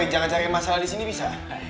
maaf jangan cari masalah di sini bisa